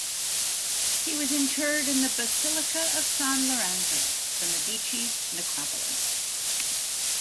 He was interred in the Basilica of San Lorenzo, the Medici's necropolis.